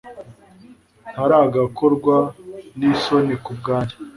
ntaragakorwa nisoni kubwange